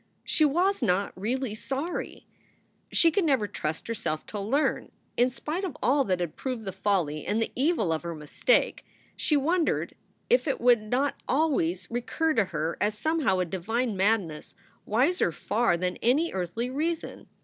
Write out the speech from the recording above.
She was not really sorry ! She could never trust herself to learn. In spite of all that had proved the folly and the evil of her mistake, she wondered if it would not always recur to her as somehow a divine madness wiser far than any earthly reason.